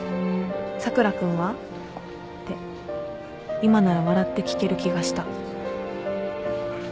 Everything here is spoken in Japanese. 佐倉君は？って今なら笑って聞ける気がした